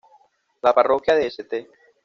La parroquia de St.